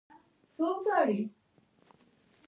ایا زما کولمې به ښې شي؟